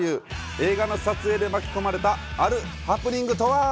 映画の撮影で巻き込まれたあるハプニングとは。